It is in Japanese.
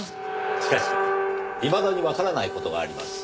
しかしいまだにわからない事があります。